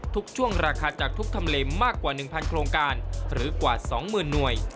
ทุกช่วงราคาจากทุกทำเลมากกว่า๑๐๐โครงการหรือกว่า๒๐๐๐หน่วย